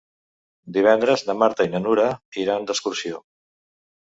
Divendres na Marta i na Nura iran d'excursió.